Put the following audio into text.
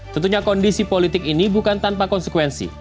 tentunya kondisi politik ini bukan tanpa konsekuensi